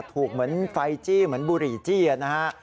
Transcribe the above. เหมือนไฟจี้เหมือนบุหรี่จี้นะฮะ